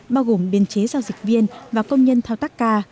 bao gồm biên chế giao dịch viên và công nhân thao tác ca